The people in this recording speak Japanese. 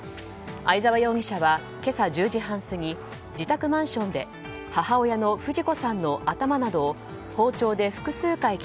相沢容疑者は今朝１０時半過ぎ自宅マンションで母親の富士子さんの頭などを包丁で複数回